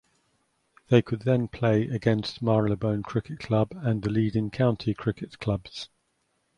They could then play against Marylebone Cricket Club and the leading county cricket clubs.